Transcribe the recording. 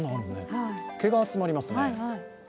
毛が集まりますね。